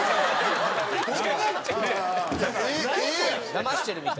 だましてるみたい。